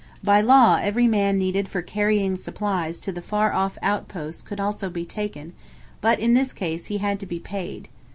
By law every man needed for carrying supplies to the far off outposts could also be taken; but, in this case, he had to be paid.